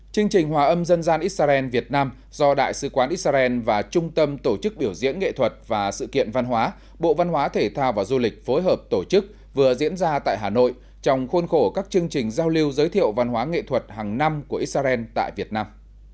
chương trình hòa âm dân gian israel việt nam do đại sứ quán israel và trung tâm tổ chức biểu diễn nghệ thuật và sự kiện văn hóa bộ văn hóa thể thao và du lịch phối hợp tổ chức vừa diễn ra tại hà nội trong khuôn khổ các chương trình giao lưu giới thiệu văn hóa nghệ thuật hàng năm của israel tại việt nam